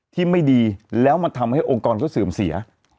ที่ไม่ดีแล้วมันทำให้องค์กรเขาเสื่อมเสีย